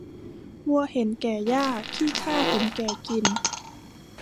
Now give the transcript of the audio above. วัวเห็นแก่หญ้า ขี้ข้าเห็นแก่กิน